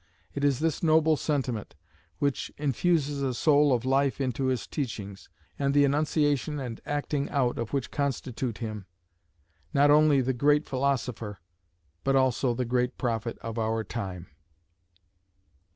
It is this noble sentiment which infuses a soul of life into his teachings, and the enunciation and acting out of which constitute him, not only the great philosopher, but also the great prophet of our time.